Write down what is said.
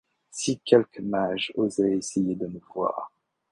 Si quelque mage osait essayer de nous voir